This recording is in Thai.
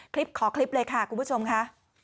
ขอคลิปเลยค่ะคุณผู้ชมค่ะ